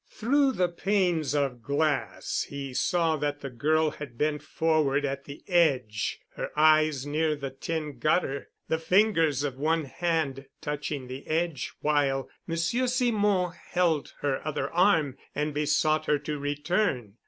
Through the panes of glass he saw that the girl had bent forward at the edge, her eyes near the tin gutter, the fingers of one hand touching the edge, while Monsieur Simon held her other arm and besought her to return.